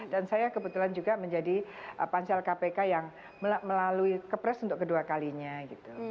dan saya kebetulan juga menjadi pansel kpk yang melalui kepres untuk kedua kalinya gitu